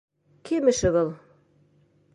Кем эше был?